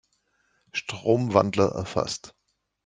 Stromwandler erfasst.